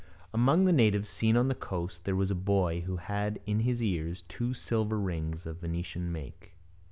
Among the natives seen on the coast there was a boy who had in his ears two silver rings of Venetian make.